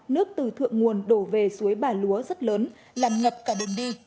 nước từ thượng nguồn đổ về suối bà lúa rất lớn làm ngập cả đường đi